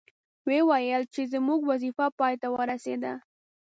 وې ویل چې زموږ وظیفه پای ته ورسیده.